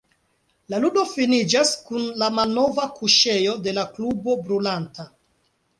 La ludo finiĝas kun la malnova kuŝejo de la klubo brulanta.